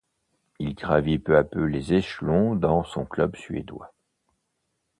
Il gravit peu à peu les échelons dans son club suédois.